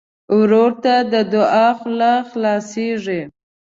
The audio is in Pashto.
ورور ته د دعا خوله خلاصيږي.